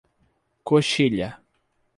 Coxilha